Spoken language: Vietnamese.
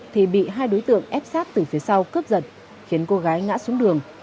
thì bị hai đối tượng ép sát từ phía sau cướp giật khiến cô gái ngã xuống đường